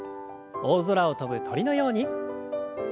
大空を飛ぶ鳥のように。